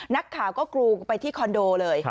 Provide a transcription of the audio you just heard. นักข่าวก็กรูไปที่คอนโดเลย